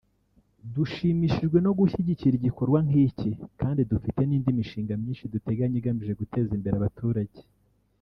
dushimishijwe no gushyigikira igikorwa nk’iki kandi dufite n’indi mishinga myinshi duteganya igamije guteza imbere abaturage”